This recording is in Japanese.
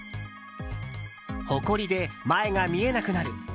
ほこりで前が見えなくなる。